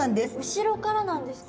後ろからなんですか？